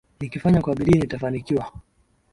Nikifanya kwa bidii nitafanikiwa.